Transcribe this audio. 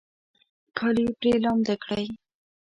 کالي پرې لامده کړئ